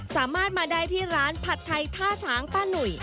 สามารถมาได้ที่ร้านผัดไทยท่าช้างป้าหนุ่ย